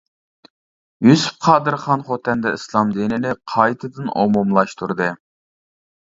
يۈسۈپ قادىرخان خوتەندە ئىسلام دىنىنى قايتىدىن ئومۇملاشتۇردى.